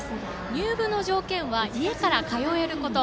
入部の条件は家から通えること。